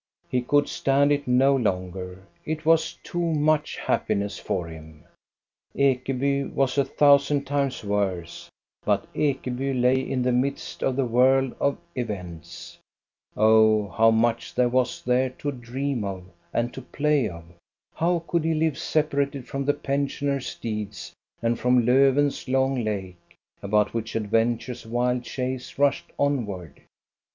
He could stand it no longer, it was too much happiness for him. Ekeby was a thousand times worse, but Ekeby lay in the midst of the whirl of events. Oh, how much there was there to dream of and to play of! How could he live separated from the pensioners* deeds, and from Lofven's long lake, about which adventure's wild chase rushed onward?